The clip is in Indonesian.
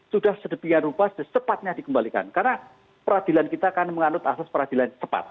sudah sedepian rupa dan cepatnya dikembalikan karena peradilan kita akan mengandung asas peradilan cepat